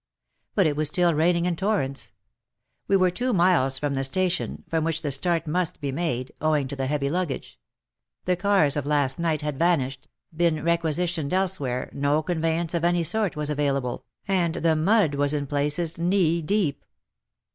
But it was still rain ing in torrents ; we were two miles from the station, from which the start must be made, owing to the heavy luggage ; the cars of last night had vanished, been requisitioned else where, no conveyance of any sort was avail able, and the mud was in places knee deep.